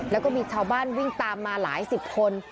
แล้วก็มีชาวบ้านวิ่งตามมาหลายสิบคน